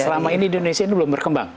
selama ini indonesia ini belum berkembang